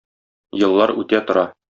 Еллар үтә тора.